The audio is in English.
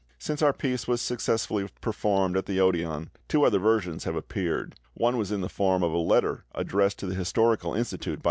Since our piece was successfully performed at the Odeon two other versions have appeared: one was in the form of a letter addressed to the Historical Institute by M.